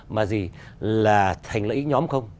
mà gì là thành lợi ích nhóm không